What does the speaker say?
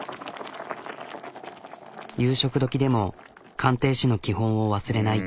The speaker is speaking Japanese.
夕食どきでも鑑定士の基本を忘れない。